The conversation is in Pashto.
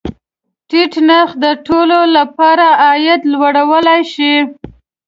ټیټ نرخ د ټولو له پاره عاید لوړولی شي.